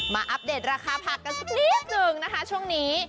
อัปเดตราคาผักกันสักนิดหนึ่งนะคะช่วงนี้